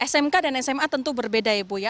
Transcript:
smk dan sma tentu berbeda ya ibu ya